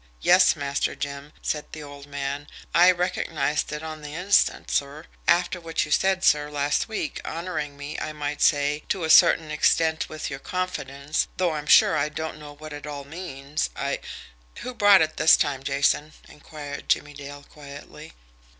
"Yes, Master Jim," said the old man, "I recognised it on the instant, sir. After what you said, sir, last week, honouring me, I might say, to a certain extent with your confidence, though I'm sure I don't know what it all means, I " "Who brought it this time, Jason?" inquired Jimmie Dale quietly.